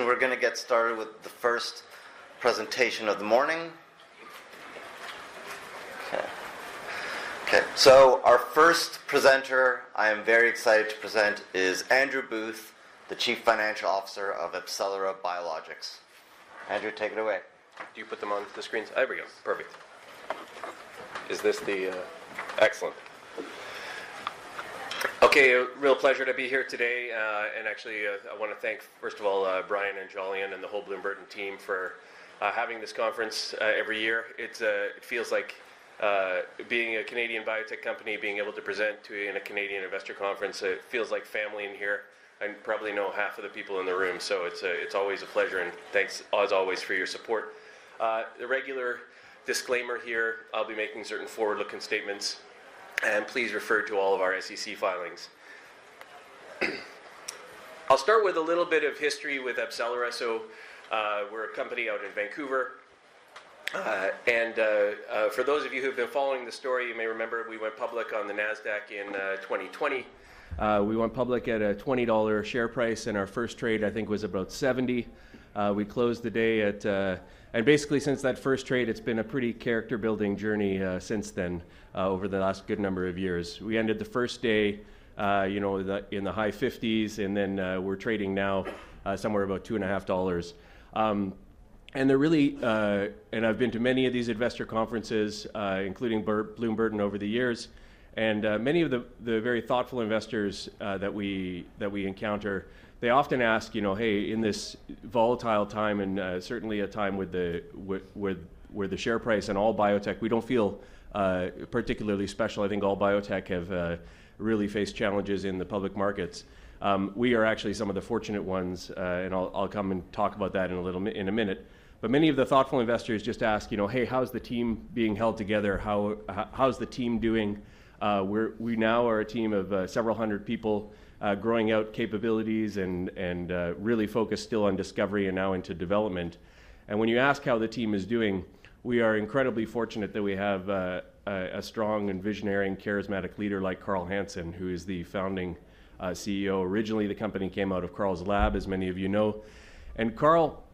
We're going to get started with the first presentation of the morning. Okay. Okay. So our first presenter I am very excited to present is Andrew Booth, the Chief Financial Officer of AbCellera Biologics. Andrew, take it away. Do you put them on the screens? There we go. Perfect. Is this the—excellent. Okay. Real pleasure to be here today. Actually, I want to thank, first of all, Brian and Jolyon, and the whole Bloom Burton team for having this conference every year. It feels like being a Canadian biotech company, being able to present to a Canadian investor conference, it feels like family in here. I probably know half of the people in the room, so it's always a pleasure. Thanks, as always, for your support. A regular disclaimer here: I'll be making certain forward-looking statements. Please refer to all of our SEC filings. I'll start with a little bit of history with AbCellera. We're a company out in Vancouver. For those of you who've been following the story, you may remember we went public on the Nasdaq in 2020. We went public at a 20 dollar share price, and our first trade, I think, was about 70. We closed the day at, and basically, since that first trade, it's been a pretty character-building journey since then over the last good number of years. We ended the first day in the high CAD 50s, and then we're trading now somewhere about 2.50 dollars. I have been to many of these investor conferences, including Bloomberg, over the years. Many of the very thoughtful investors that we encounter, they often ask, "Hey, in this volatile time, and certainly a time where the share price and all biotech, we don't feel particularly special." I think all biotech have really faced challenges in the public markets. We are actually some of the fortunate ones, and I'll come and talk about that in a minute. Many of the thoughtful investors just ask, "Hey, how's the team being held together? How's the team doing?" We now are a team of several hundred people growing our capabilities and really focused still on discovery and now into development. When you ask how the team is doing, we are incredibly fortunate that we have a strong and visionary and charismatic leader like Carl Hansen, who is the founding CEO. Originally, the company came out of Carl's lab, as many of you know. Carl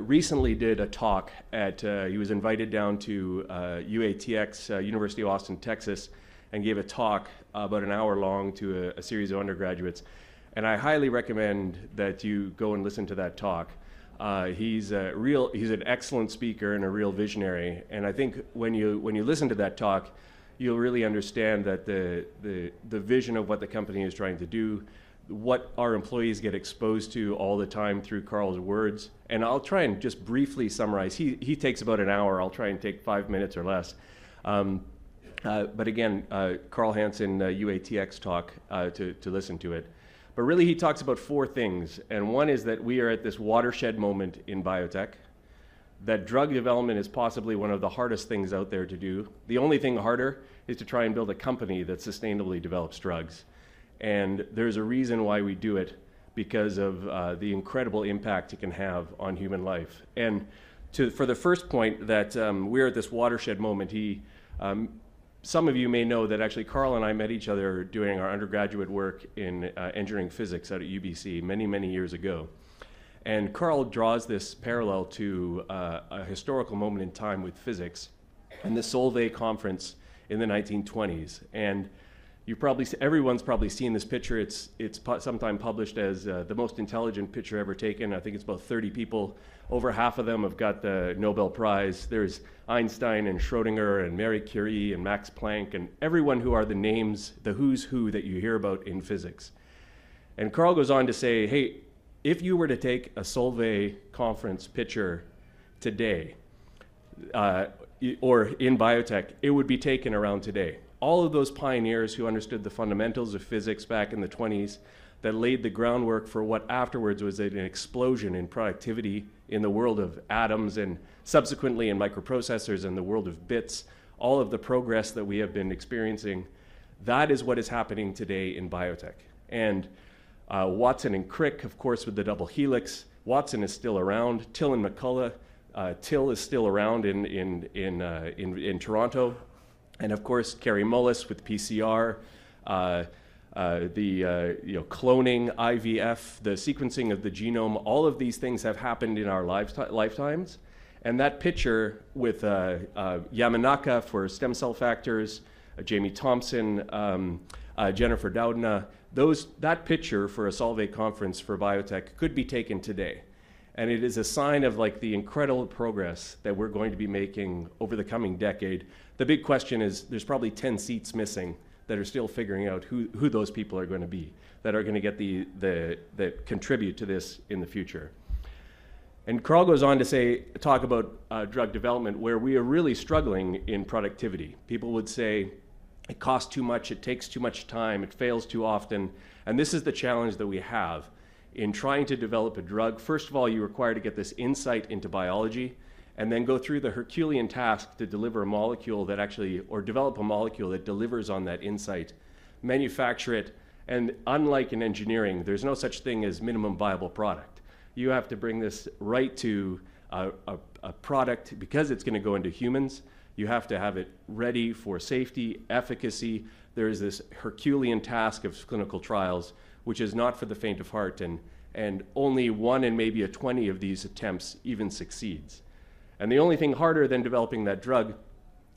recently did a talk at—he was invited down to UATX, University of Austin, Texas, and gave a talk about an hour long to a series of undergraduates. I highly recommend that you go and listen to that talk. He's an excellent speaker and a real visionary. I think when you listen to that talk, you'll really understand the vision of what the company is trying to do, what our employees get exposed to all the time through Carl's words. I'll try and just briefly summarize. He takes about an hour. I'll try and take five minutes or less. Again, Carl Hansen, UATX talk to listen to it. Really, he talks about four things. One is that we are at this watershed moment in biotech, that drug development is possibly one of the hardest things out there to do. The only thing harder is to try and build a company that sustainably develops drugs. There's a reason why we do it because of the incredible impact it can have on human life. For the first point, that we're at this watershed moment, some of you may know that actually Carl and I met each other doing our undergraduate work in engineering physics at UBC many, many years ago. Carl draws this parallel to a historical moment in time with physics and the Solvay Conference in the 1920s. Everyone's probably seen this picture. It's sometimes published as the most intelligent picture ever taken. I think it's about 30 people. Over half of them have got the Nobel Prize. There's Einstein and Schrödinger and Marie Curie and Max Planck and everyone who are the names, the who's who that you hear about in physics. Carl goes on to say, "Hey, if you were to take a Solvay Conference picture today or in biotech, it would be taken around today." All of those pioneers who understood the fundamentals of physics back in the 1920s that laid the groundwork for what afterwards was an explosion in productivity in the world of atoms and subsequently in microprocessors and the world of bits, all of the progress that we have been experiencing, that is what is happening today in biotech. Watson and Crick, of course, with the double helix. Watson is still around. Till and McCulloch. Till is still around in Toronto. Of course, Kary Mullis with PCR, the cloning IVF, the sequencing of the genome. All of these things have happened in our lifetimes. That picture with Yamanaka for stem cell factors, Jamie Thomson, Jennifer Doudna, that picture for a Solvay Conference for biotech could be taken today. It is a sign of the incredible progress that we're going to be making over the coming decade. The big question is there's probably 10 seats missing that are still figuring out who those people are going to be that are going to contribute to this in the future. Carl goes on to talk about drug development, where we are really struggling in productivity. People would say it costs too much, it takes too much time, it fails too often. This is the challenge that we have in trying to develop a drug. First of all, you're required to get this insight into biology and then go through the herculean task to deliver a molecule that actually or develop a molecule that delivers on that insight, manufacture it. Unlike in engineering, there's no such thing as minimum viable product. You have to bring this right to a product because it's going to go into humans. You have to have it ready for safety, efficacy. There is this Herculean task of clinical trials, which is not for the faint of heart. Only one in maybe 20 of these attempts even succeeds. The only thing harder than developing that drug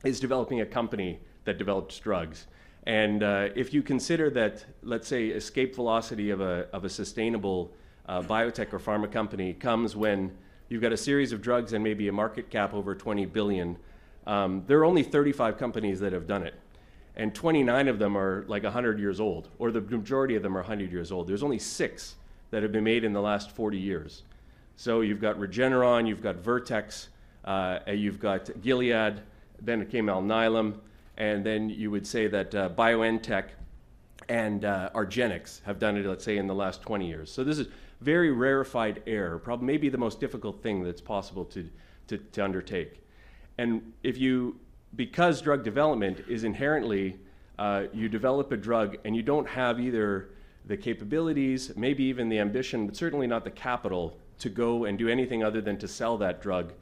is developing a company that develops drugs. If you consider that, let's say, escape velocity of a sustainable biotech or pharma company comes when you've got a series of drugs and maybe a market cap over 20 billion, there are only 35 companies that have done it. 29 of them are like 100 years old, or the majority of them are 100 years old. There are only six that have been made in the last 40 years. You have Regeneron, you have Vertex, you have Gilead, then it came Alnylam, and then you would say that BioNTech and argenx have done it, let's say, in the last 20 years. This is very rarefied air, maybe the most difficult thing that's possible to undertake. Because drug development is inherently, you develop a drug and you do not have either the capabilities, maybe even the ambition, but certainly not the capital to go and do anything other than to sell that drug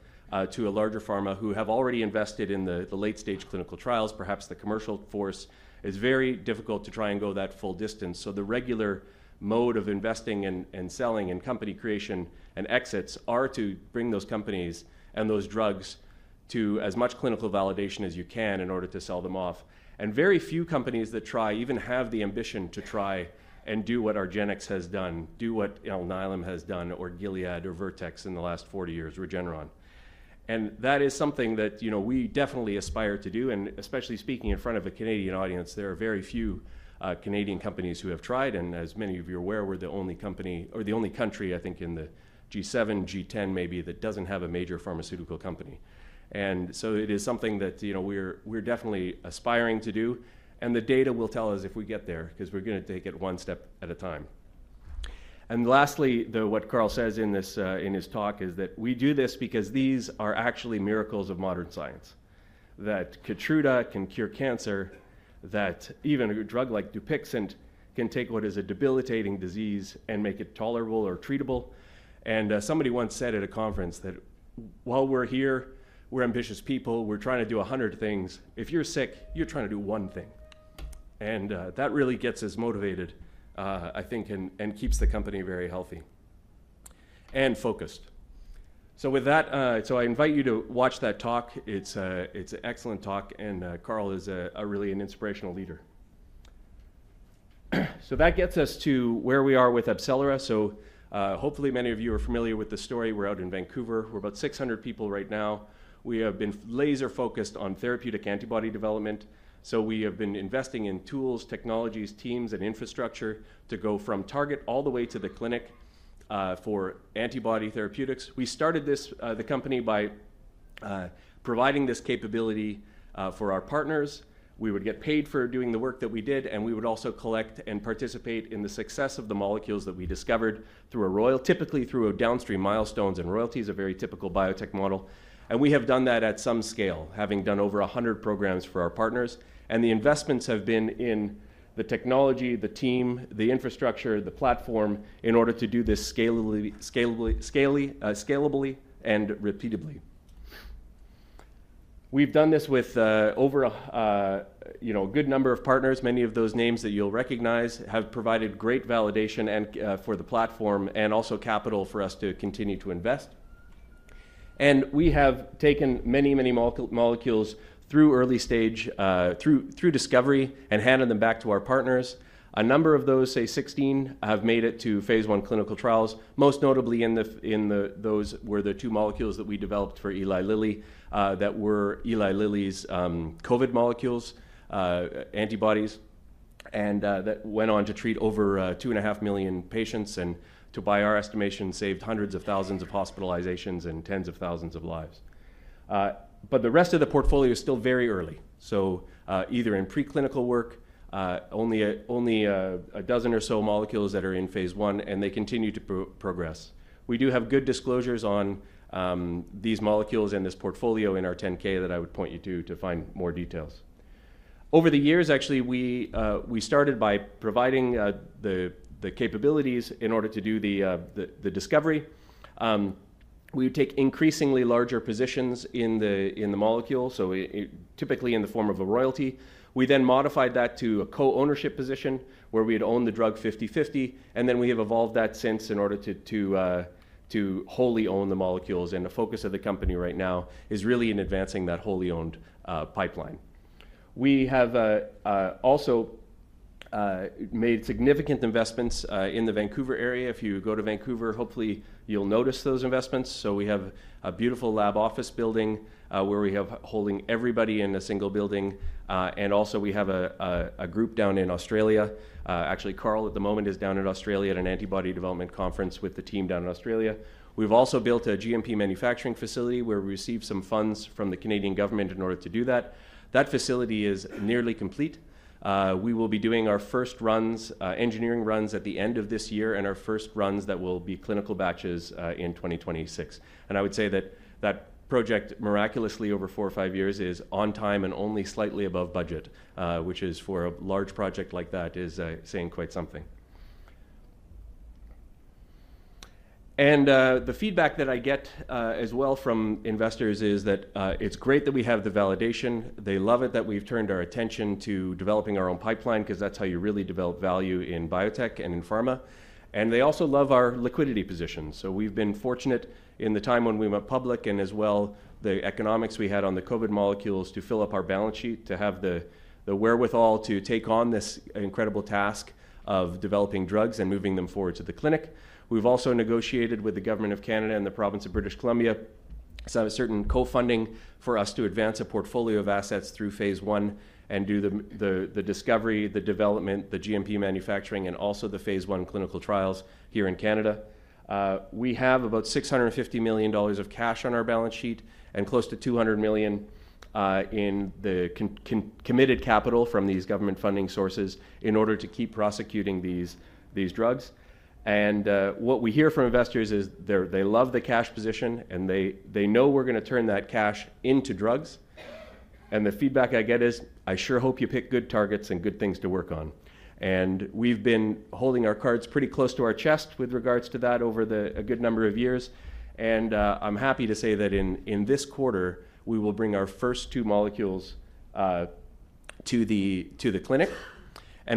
to a larger pharma who have already invested in the late-stage clinical trials, perhaps the commercial force is very difficult to try and go that full distance. The regular mode of investing and selling and company creation and exits are to bring those companies and those drugs to as much clinical validation as you can in order to sell them off. Very few companies that try even have the ambition to try and do what argenx has done, do what Alnylam has done, or Gilead, or Vertex in the last 40 years, Regeneron. That is something that we definitely aspire to do. Especially speaking in front of a Canadian audience, there are very few Canadian companies who have tried. As many of you are aware, we're the only company or the only country, I think, in the G7, G10 maybe, that doesn't have a major pharmaceutical company. It is something that we're definitely aspiring to do. The data will tell us if we get there because we're going to take it one step at a time. Lastly, what Carl says in his talk is that we do this because these are actually miracles of modern science, that Keytruda can cure cancer, that even a drug like Dupixent can take what is a debilitating disease and make it tolerable or treatable. Somebody once said at a conference that while we're here, we're ambitious people, we're trying to do 100 things. If you're sick, you're trying to do one thing. That really gets us motivated, I think, and keeps the company very healthy and focused. With that, I invite you to watch that talk. It's an excellent talk. Carl is really an inspirational leader. That gets us to where we are with AbCellera. Hopefully many of you are familiar with the story. We're out in Vancouver. We're about 600 people right now. We have been laser-focused on therapeutic antibody development. We have been investing in tools, technologies, teams, and infrastructure to go from target all the way to the clinic for antibody therapeutics. We started the company by providing this capability for our partners. We would get paid for doing the work that we did, and we would also collect and participate in the success of the molecules that we discovered typically through downstream milestones and royalties, a very typical biotech model. We have done that at some scale, having done over 100 programs for our partners. The investments have been in the technology, the team, the infrastructure, the platform in order to do this scalably and repeatedly. We have done this with a good number of partners. Many of those names that you'll recognize have provided great validation for the platform and also capital for us to continue to invest. We have taken many, many molecules through early stage, through discovery, and handed them back to our partners. A number of those, say 16, have made it to phase I clinical trials, most notably in those were the two molecules that we developed for Eli Lilly that were Eli Lilly's COVID molecules, antibodies, and that went on to treat over 2.5 million patients and, to by our estimation, saved hundreds of thousands of hospitalizations and tens of thousands of lives. The rest of the portfolio is still very early, so either in preclinical work, only a dozen or so molecules that are in phase I, and they continue to progress. We do have good disclosures on these molecules and this portfolio in our 10-K that I would point you to to find more details. Over the years, actually, we started by providing the capabilities in order to do the discovery. We would take increasingly larger positions in the molecule, so typically in the form of a royalty. We then modified that to a co-ownership position where we'd own the drug 50/50. We have evolved that since in order to wholly own the molecules. The focus of the company right now is really in advancing that wholly owned pipeline. We have also made significant investments in the Vancouver area. If you go to Vancouver, hopefully you'll notice those investments. We have a beautiful lab office building where we have everybody in a single building. We also have a group down in Australia. Actually, Carl at the moment is down in Australia at an antibody development conference with the team down in Australia. We have also built a GMP manufacturing facility where we received some funds from the Canadian government in order to do that. That facility is nearly complete. We will be doing our first runs, engineering runs at the end of this year, and our first runs that will be clinical batches in 2026. I would say that that project miraculously over four or five years is on time and only slightly above budget, which for a large project like that is saying quite something. The feedback that I get as well from investors is that it is great that we have the validation. They love it that we have turned our attention to developing our own pipeline because that is how you really develop value in biotech and in pharma. They also love our liquidity position. We've been fortunate in the time when we went public and as well the economics we had on the COVID molecules to fill up our balance sheet, to have the wherewithal to take on this incredible task of developing drugs and moving them forward to the clinic. We've also negotiated with the government of Canada and the province of British Columbia some certain co-funding for us to advance a portfolio of assets through phase I and do the discovery, the development, the GMP manufacturing, and also the phase I clinical trials here in Canada. We have about 650 million dollars of cash on our balance sheet and close to 200 million in the committed capital from these government funding sources in order to keep prosecuting these drugs. What we hear from investors is they love the cash position, and they know we're going to turn that cash into drugs. The feedback I get is, "I sure hope you pick good targets and good things to work on." We have been holding our cards pretty close to our chest with regards to that over a good number of years. I am happy to say that in this quarter, we will bring our first two molecules to the clinic.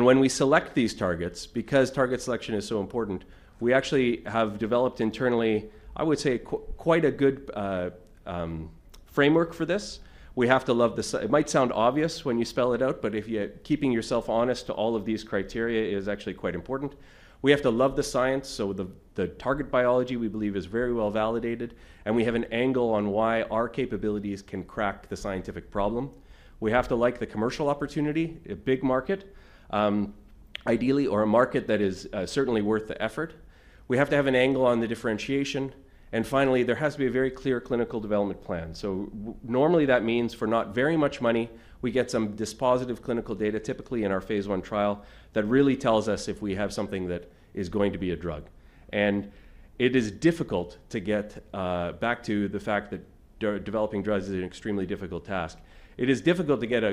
When we select these targets, because target selection is so important, we actually have developed internally, I would say, quite a good framework for this. We have to love the science. It might sound obvious when you spell it out, but keeping yourself honest to all of these criteria is actually quite important. We have to love the science. The target biology we believe is very well validated, and we have an angle on why our capabilities can crack the scientific problem. We have to like the commercial opportunity, a big market, ideally, or a market that is certainly worth the effort. We have to have an angle on the differentiation. Finally, there has to be a very clear clinical development plan. Normally that means for not very much money, we get some dispositive clinical data, typically in our phase I trial, that really tells us if we have something that is going to be a drug. It is difficult to get back to the fact that developing drugs is an extremely difficult task. It is difficult to get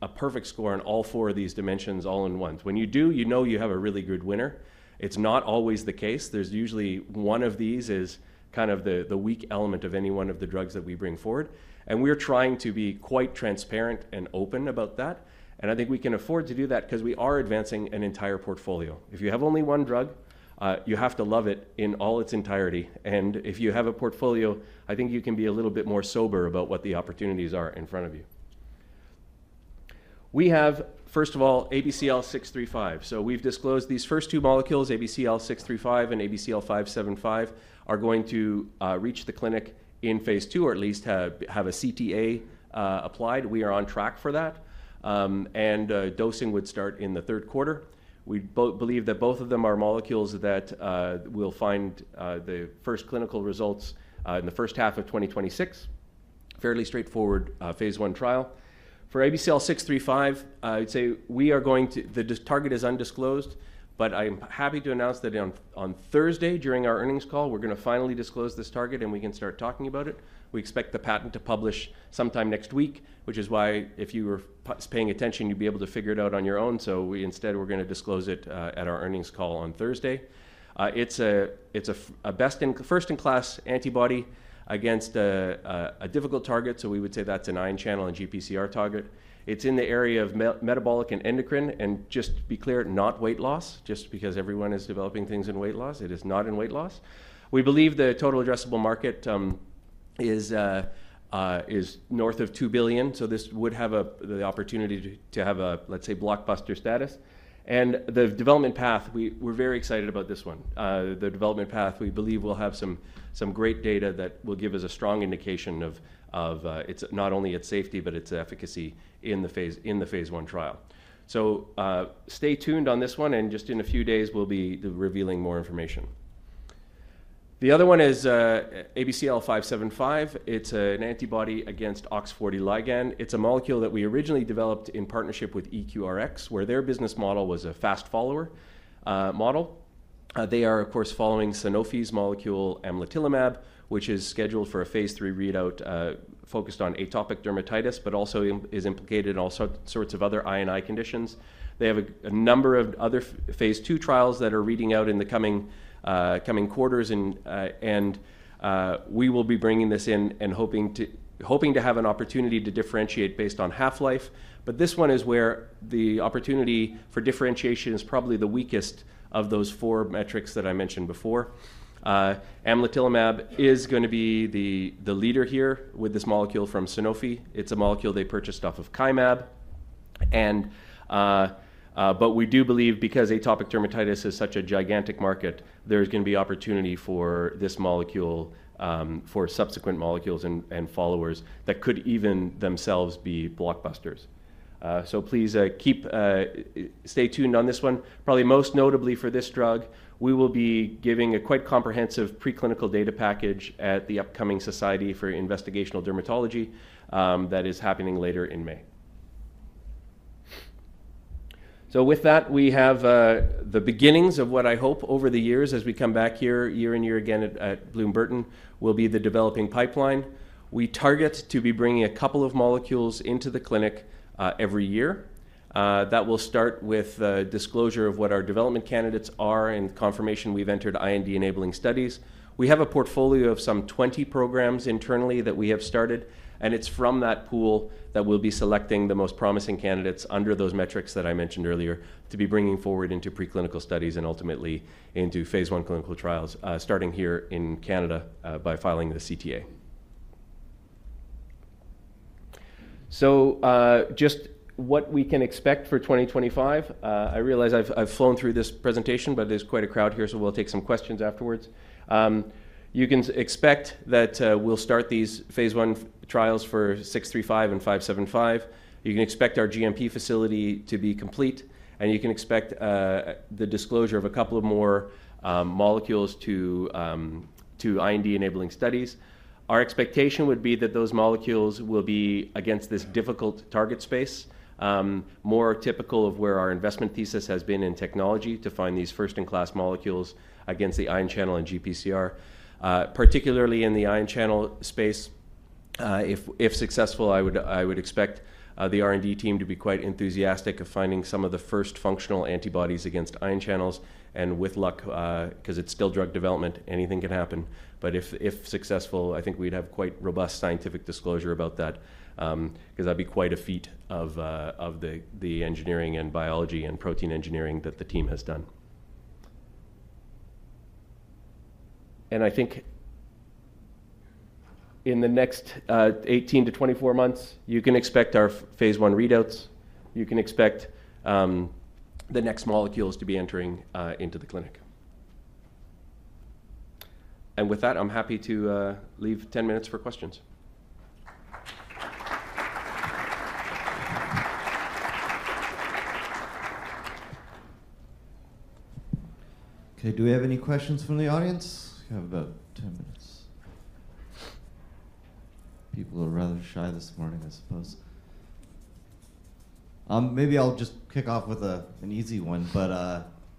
a perfect score in all four of these dimensions all in one. When you do, you know you have a really good winner. It's not always the case. There's usually one of these is kind of the weak element of any one of the drugs that we bring forward. We are trying to be quite transparent and open about that. I think we can afford to do that because we are advancing an entire portfolio. If you have only one drug, you have to love it in all its entirety. If you have a portfolio, I think you can be a little bit more sober about what the opportunities are in front of you. We have, first of all, ABCL635. We have disclosed these first two molecules, ABCL635 and ABCL575, are going to reach the clinic in phase II or at least have a CTA applied. We are on track for that. Dosing would start in the third quarter. We believe that both of them are molecules that will find the first clinical results in the first half of 2026, fairly straightforward phase I trial. For ABCL635, I would say we are going to the target is undisclosed, but I am happy to announce that on Thursday during our earnings call, we're going to finally disclose this target and we can start talking about it. We expect the patent to publish sometime next week, which is why if you were paying attention, you'd be able to figure it out on your own. Instead, we're going to disclose it at our earnings call on Thursday. It's a first-in-class antibody against a difficult target. We would say that's an ion channel and GPCR target. It's in the area of metabolic and endocrine. Just to be clear, not weight loss, just because everyone is developing things in weight loss. It is not in weight loss. We believe the total addressable market is north of 2 billion. This would have the opportunity to have a, let's say, blockbuster status. The development path, we're very excited about this one. The development path, we believe we'll have some great data that will give us a strong indication of not only its safety, but its efficacy in the phase I trial. Stay tuned on this one. In just a few days, we'll be revealing more information. The other one is ABCL575. It's an antibody against OX40 ligand. It's a molecule that we originally developed in partnership with EQRx, where their business model was a fast-follower model. They are, of course, following Sanofi's molecule amlitelimab, which is scheduled for a phase III readout focused on atopic dermatitis, but also is implicated in all sorts of other I&I conditions. They have a number of other phase II trials that are reading out in the coming quarters. We will be bringing this in and hoping to have an opportunity to differentiate based on half-life. This one is where the opportunity for differentiation is probably the weakest of those four metrics that I mentioned before. Amlitelimab is going to be the leader here with this molecule from Sanofi. It is a molecule they purchased off of Kymab. We do believe because atopic dermatitis is such a gigantic market, there is going to be opportunity for this molecule, for subsequent molecules, and followers that could even themselves be blockbusters. Please stay tuned on this one. Probably most notably for this drug, we will be giving a quite comprehensive preclinical data package at the upcoming Society for Investigational Dermatology that is happening later in May. With that, we have the beginnings of what I hope over the years as we come back here year in, year again at Bloom Burton will be the developing pipeline. We target to be bringing a couple of molecules into the clinic every year. That will start with disclosure of what our development candidates are and confirmation we've entered IND-enabling studies. We have a portfolio of some 20 programs internally that we have started. It's from that pool that we'll be selecting the most promising candidates under those metrics that I mentioned earlier to be bringing forward into preclinical studies and ultimately into phase I clinical trials starting here in Canada by filing the CTA. Just what we can expect for 2025, I realize I've flown through this presentation, but there's quite a crowd here, so we'll take some questions afterwards. You can expect that we'll start these phase I trials for 635 and 575. You can expect our GMP facility to be complete. You can expect the disclosure of a couple of more molecules to IND-enabling studies. Our expectation would be that those molecules will be against this difficult target space, more typical of where our investment thesis has been in technology to find these first-in-class molecules against the ion channel and GPCR, particularly in the ion channel space. If successful, I would expect the R&D team to be quite enthusiastic of finding some of the first functional antibodies against ion channels. With luck, because it's still drug development, anything can happen. If successful, I think we'd have quite robust scientific disclosure about that because that'd be quite a feat of the engineering and biology and protein engineering that the team has done. I think in the next 18 to 24 months, you can expect our phase I readouts. You can expect the next molecules to be entering into the clinic. With that, I'm happy to leave 10 minutes for questions. Okay. Do we have any questions from the audience? We have about 10 minutes. People are rather shy this morning, I suppose. Maybe I'll just kick off with an easy one, but,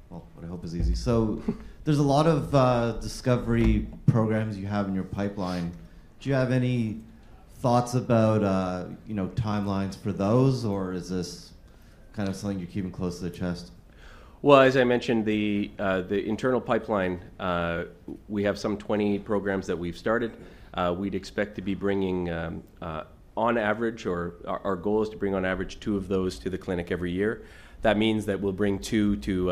well, what I hope is easy. So there's a lot of discovery programs you have in your pipeline. Do you have any thoughts about timelines for those, or is this kind of something you're keeping close to the chest? As I mentioned, the internal pipeline, we have some 20 programs that we've started. We'd expect to be bringing, on average, or our goal is to bring on average two of those to the clinic every year. That means that we'll bring two to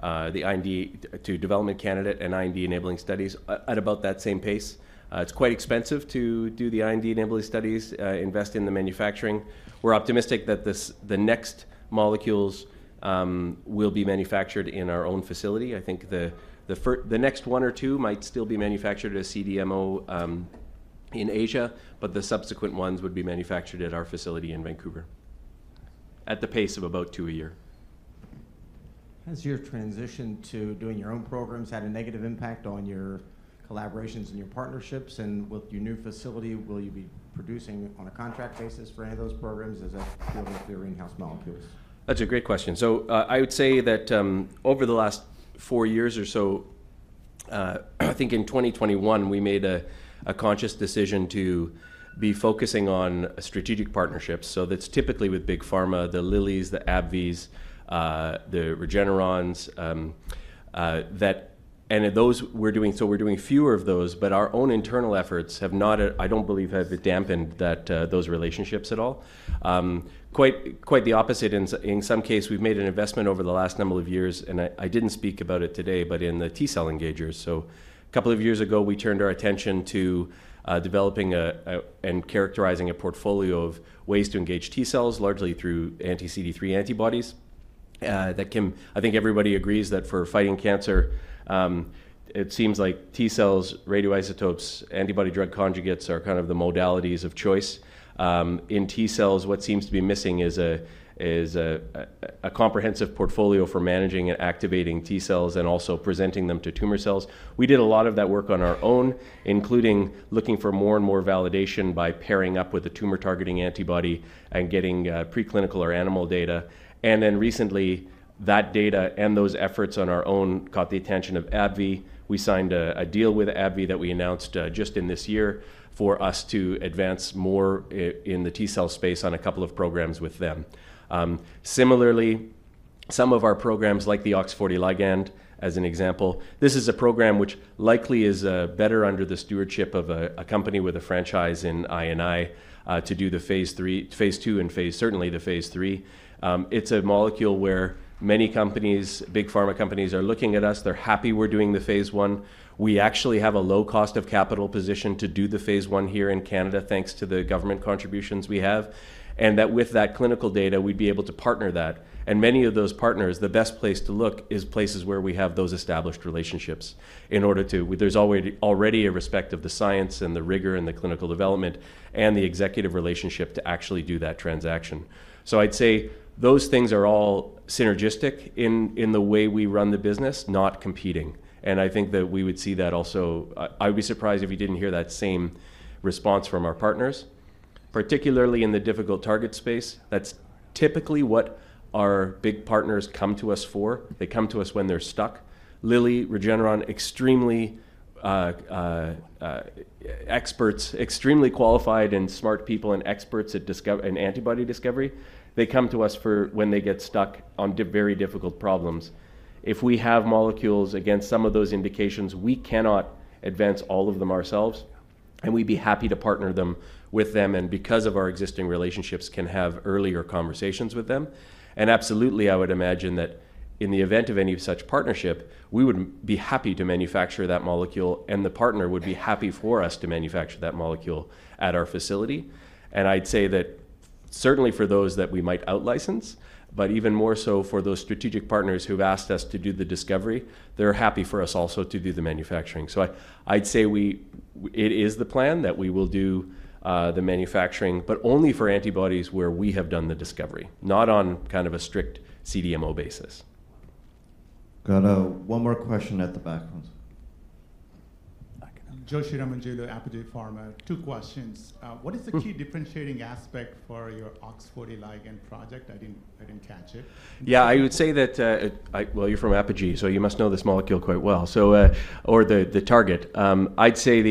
the IND to development candidate and IND-enabling studies at about that same pace. It's quite expensive to do the IND-enabling studies, invest in the manufacturing. We're optimistic that the next molecules will be manufactured in our own facility. I think the next one or two might still be manufactured at a CDMO in Asia, but the subsequent ones would be manufactured at our facility in Vancouver at the pace of about two a year. Has your transition to doing your own programs had a negative impact on your collaborations and your partnerships? With your new facility, will you be producing on a contract basis for any of those programs as a field of the greenhouse molecules? That's a great question. I would say that over the last four years or so, I think in 2021, we made a conscious decision to be focusing on strategic partnerships. That's typically with big pharma, the Lilly's, the AbbVies, the Regenerons. We're doing fewer of those, but our own internal efforts have not, I don't believe, have dampened those relationships at all. Quite the opposite. In some case, we've made an investment over the last number of years, and I didn't speak about it today, but in the T cell engagers. A couple of years ago, we turned our attention to developing and characterizing a portfolio of ways to engage T cells, largely through anti-CD3 antibodies. I think everybody agrees that for fighting cancer, it seems like T cells, radioisotopes, antibody drug conjugates are kind of the modalities of choice. In T cells, what seems to be missing is a comprehensive portfolio for managing and activating T cells and also presenting them to tumor cells. We did a lot of that work on our own, including looking for more and more validation by pairing up with a tumor-targeting antibody and getting preclinical or animal data. Recently, that data and those efforts on our own caught the attention of AbbVie. We signed a deal with AbbVie that we announced just in this year for us to advance more in the T cell space on a couple of programs with them. Similarly, some of our programs, like the OX40 ligand, as an example, this is a program which likely is better under the stewardship of a company with a franchise in I&I to do the phase II, and certainly the phase III. It's a molecule where many companies, big pharma companies, are looking at us. They're happy we're doing the phase I. We actually have a low cost of capital position to do the phase I here in Canada, thanks to the government contributions we have. With that clinical data, we'd be able to partner that. Many of those partners, the best place to look is places where we have those established relationships in order to—there's already a respect of the science and the rigor and the clinical development and the executive relationship to actually do that transaction. I'd say those things are all synergistic in the way we run the business, not competing. I think that we would see that also—I would be surprised if you didn't hear that same response from our partners, particularly in the difficult target space. That's typically what our big partners come to us for. They come to us when they're stuck. Lilly, Regeneron, extremely expert, extremely qualified and smart people and experts in antibody discovery. They come to us when they get stuck on very difficult problems. If we have molecules against some of those indications, we cannot advance all of them ourselves. We would be happy to partner them with them. Because of our existing relationships, we can have earlier conversations with them. Absolutely, I would imagine that in the event of any such partnership, we would be happy to manufacture that molecule, and the partner would be happy for us to manufacture that molecule at our facility. I'd say that certainly for those that we might out-license, but even more so for those strategic partners who've asked us to do the discovery, they're happy for us also to do the manufacturing. I'd say it is the plan that we will do the manufacturing, but only for antibodies where we have done the discovery, not on kind of a strict CDMO basis. Got one more question at the background. Joshi Ramanjulu, Apogee Pharma, two questions. What is the key differentiating aspect for your OX40 ligand project? I didn't catch it. Yeah, I would say that, you're from Apogee, so you must know this molecule quite well, or the target. I'd say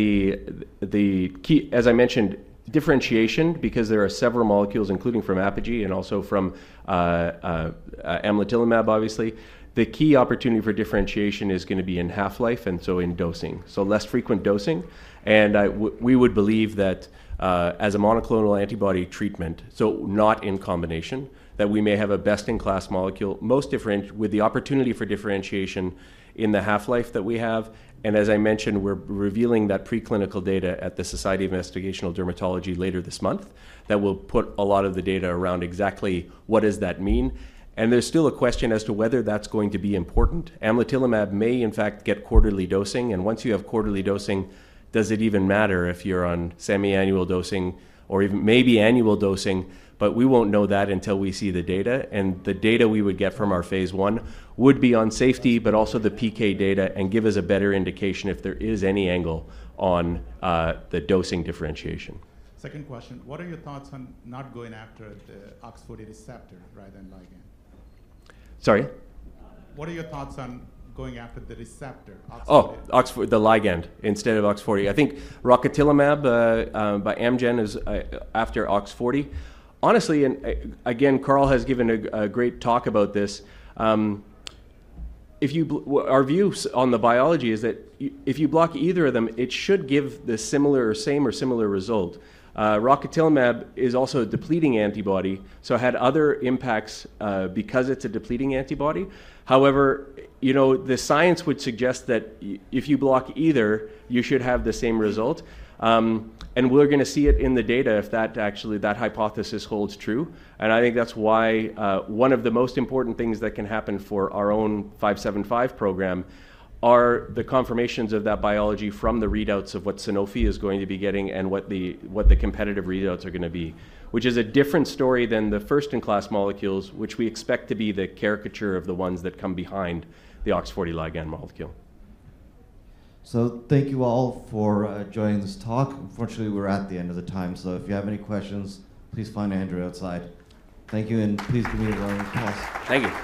the key, as I mentioned, differentiation, because there are several molecules, including from Apogee and also from amlitelimab, obviously. The key opportunity for differentiation is going to be in half-life and so in dosing, so less frequent dosing. We would believe that as a monoclonal antibody treatment, so not in combination, that we may have a best-in-class molecule most different with the opportunity for differentiation in the half-life that we have. As I mentioned, we're revealing that preclinical data at the Society Investigational Dermatology later this month that will put a lot of the data around exactly what does that mean. There's still a question as to whether that's going to be important. Amlitelimab may, in fact, get quarterly dosing. Once you have quarterly dosing, does it even matter if you're on semi-annual dosing or maybe annual dosing? We won't know that until we see the data. The data we would get from our phase I would be on safety, but also the PK data and give us a better indication if there is any angle on the dosing differentiation. Second question, what are your thoughts on not going after the OX40 receptor rather than ligand? Sorry? What are your thoughts on going after the receptor? Oh, the ligand instead of OX40. I think Rocatinlimab by Amgen is after OX40. Honestly, again, Carl has given a great talk about this. Our view on the biology is that if you block either of them, it should give the same or similar result. Rocatinlimab is also a depleting antibody, so it had other impacts because it's a depleting antibody. However, the science would suggest that if you block either, you should have the same result. We're going to see it in the data if actually that hypothesis holds true. I think that's why one of the most important things that can happen for our own 575 program are the confirmations of that biology from the readouts of what Sanofi is going to be getting and what the competitive readouts are going to be, which is a different story than the first-in-class molecules, which we expect to be the caricature of the ones that come behind the OX40 ligand molecule. Thank you all for joining this talk. Unfortunately, we're at the end of the time. If you have any questions, please find Andrew outside. Thank you, and please give me a round of applause. Thank you.